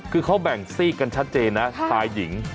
คือเขาแบ่งซีกกันชัดเจนนะชายหญิง